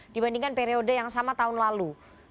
dibandingkan periode yang sama tahun lalu